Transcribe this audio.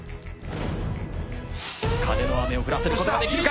金の雨を降らせることはできるか？